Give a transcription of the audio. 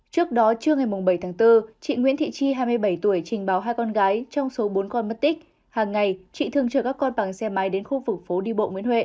trước đó trưa ngày bảy tháng bốn chị nguyễn thị chi hai mươi bảy tuổi trình báo hai con gái trong số bốn con mất tích hàng ngày chị thương chở các con bằng xe máy đến khu vực phố đi bộ nguyễn huệ